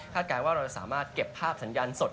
การว่าเราจะสามารถเก็บภาพสัญญาณสด